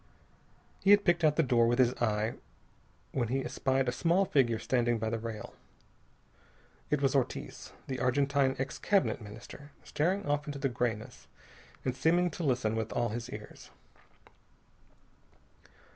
He had picked out the door with his eye when he espied a small figure standing by the rail. It was Ortiz, the Argentine ex Cabinet Minister, staring off into the grayness, and seeming to listen with all his ears.